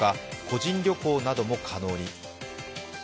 個人旅行なども可能に。